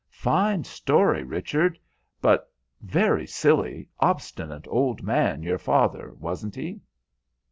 "Fine story, Richard; but very silly, obstinate old man, your father, wasn't he?"